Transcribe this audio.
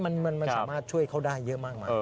มันสามารถช่วยเขาได้เยอะมากมาย